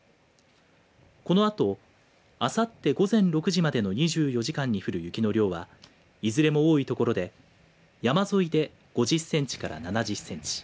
このあとあさって午前６時までの２４時間に降る雪の量はいずれも多い所で山沿いで５０センチから７０センチ。